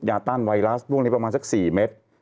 ต้านไวรัสพวกนี้ประมาณสัก๔เมตร